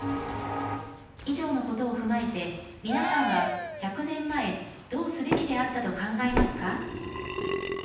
以上のことを踏まえて皆さんは１００年前どうすべきであったと考えますか？